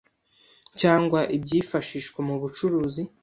cyangwa ibyifashishwa mu bucuruzi